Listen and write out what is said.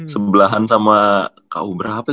sebelahan sama ku berapa